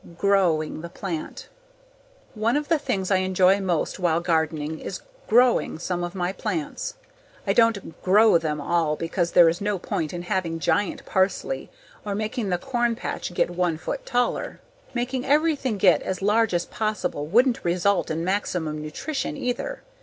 GROWing the plant One of the things I enjoy most while gardening is GROWing some of my plants. I don't GROW them all because there is no point in having giant parsley or making the corn patch get one foot taller. Making everything get as large as possible wouldn't result in maximum nutrition either.